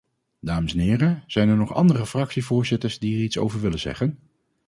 Dames en heren, zijn er nog andere fractievoorzitters die hier iets over willen zeggen?